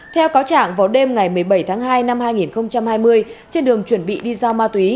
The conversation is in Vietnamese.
theo cáo trạng vào đêm ngày một mươi bảy tháng hai năm hai nghìn hai mươi trên đường chuẩn bị đi giao ma túy